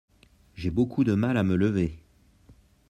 J'ai beaucoup de mal à me lever.